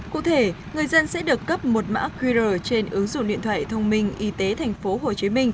cụ thể người dân sẽ được cấp một mã qr trên ứng dụng điện thoại thông minh y tế tp hcm